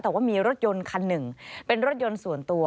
แต่ว่ามีรถยนต์คันหนึ่งเป็นรถยนต์ส่วนตัว